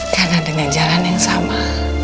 karena dengan jalan yang sama